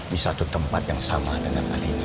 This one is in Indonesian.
di satu tempat yang sama dengan alina